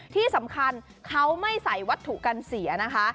ที่สำคัญเขาไม่ใส่วัตถุกันเสียนะคะ